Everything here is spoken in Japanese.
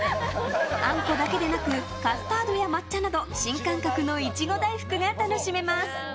あんこだけでなくカスタードや抹茶など新感覚のいちご大福が楽しめます。